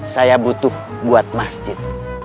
saya butuh buat masjid